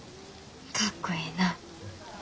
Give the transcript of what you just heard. かっこええな。